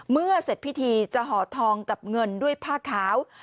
เสร็จพิธีจะห่อทองกับเงินด้วยผ้าขาว